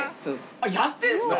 あっやってんすか！